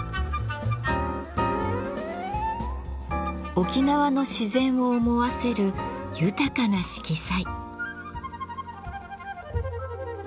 沖縄の自然を思わせる豊かな色彩。